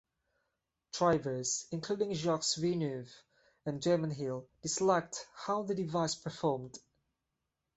Drivers including Jacques Villeneuve and Damon Hill disliked how the device performed.